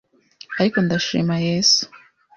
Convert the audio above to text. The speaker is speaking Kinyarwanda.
ariko ndashima Yesu